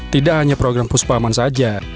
tidak hanya program puspa aman saja